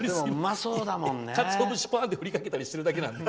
かつお節振りかけたりしてるだけなので。